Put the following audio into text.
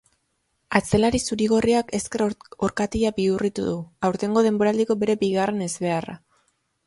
Atzelari zuri-gorriak ezker orkatila bihurritu du, aurtengo denboraldiko bere bigarren ezbeharra.